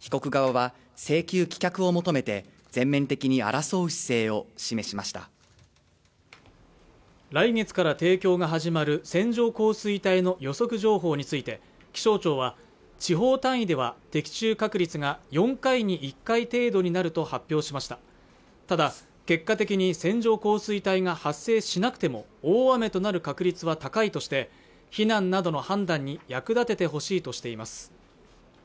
被告側は請求棄却を求めて全面的に争う姿勢を示しました来月から提供が始まる線状降水帯の予測情報について気象庁は地方単位では的中確率が４回に１回程度になると発表しましたただ結果的に線状降水帯が発生しなくても大雨となる確率は高いとして避難などの判断に役立ててほしいとしています